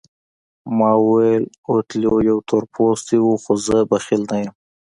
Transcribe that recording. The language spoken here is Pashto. ما وویل اوتیلو یو تور پوستی وو خو زه بخیل نه یم.